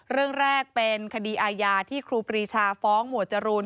เรื่องแรกเป็นคดีอาญาที่ครูปรีชาฟ้องหมวดจรูน